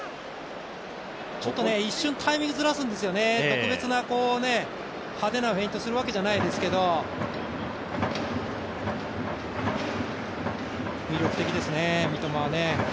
一瞬タイミングをずらすんですよね、特別な派手なフェイントするわけじゃないですけど魅力的ですね、三笘はね。